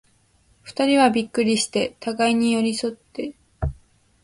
二人はびっくりして、互に寄り添って、